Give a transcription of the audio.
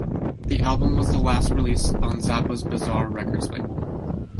The album was the last release on Zappa's Bizarre Records label.